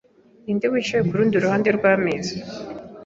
Ninde wicaye kurundi ruhande rwameza?